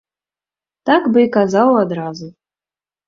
Так бы і казаў адразу.